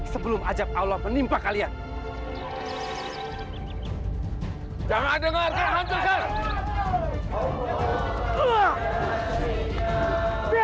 sebelum ajab allah menimpa kalian